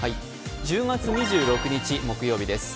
１０月２６日、木曜日です。